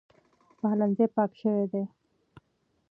پخلنځی پاک شوی دی.